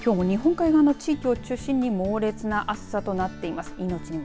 きょうも日本海側の地域を中心に猛烈な暑さとなっています。